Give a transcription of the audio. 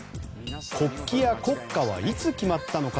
国旗や国歌はいつ決まったのか。